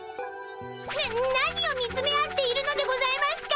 な何を見つめ合っているのでございますか！